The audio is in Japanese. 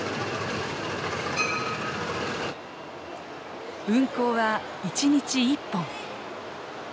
運行は１日１本。